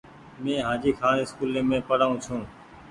مين هآجي کآن اسڪولي مين پڙآئو ڇون۔